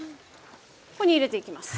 ここに入れていきます。